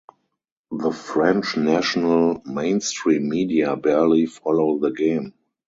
The French national mainstream media barely follow the game.